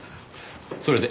それで？